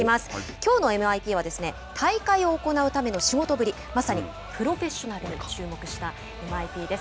「きょうのＭＩＰ」は大会を行うための仕事ぶりまさにプロフェッショナルに注目したＭＩＰです。